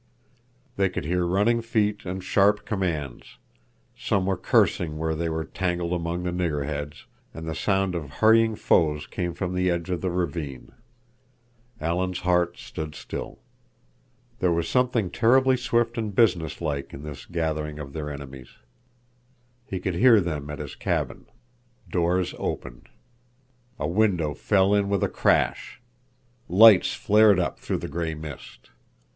They could hear running feet and sharp commands; some were cursing where they were entangled among the nigger heads, and the sound of hurrying foes came from the edge of the ravine. Alan's heart stood still. There was something terribly swift and businesslike in this gathering of their enemies. He could hear them at his cabin. Doors opened. A window fell in with a crash. Lights flared up through the gray mist.